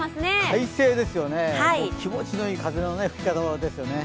快晴ですよね、気持ちのいい風の吹き方ですね。